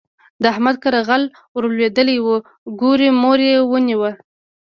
د احمد کره غل ور لوېدلی وو؛ ګوری موری يې ونيو.